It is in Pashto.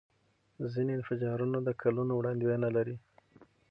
ځینې انفجارونه د کلونو وړاندوینه لري.